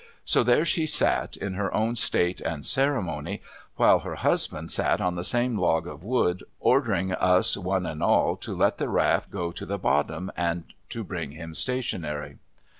So, there she sat, in her own state and ceremony, while her husband sat on the same log of wood, ordering us one and all to let the raft go to the bottom, and to bring him stationery.